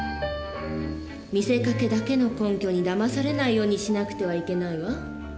見せかけだけの根拠にだまされないようにしなくてはいけないわ。